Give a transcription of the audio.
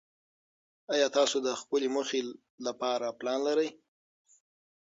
ایا تاسو د خپلې موخې لپاره پلان لرئ؟